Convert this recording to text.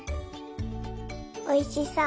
おいしそう。